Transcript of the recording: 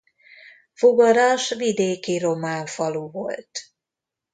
Fogaras vidéki román falu volt.